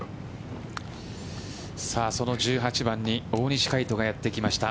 その１８番に大西魁斗がやってきました。